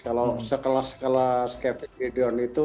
kalau sekelas kelas kevin gideon itu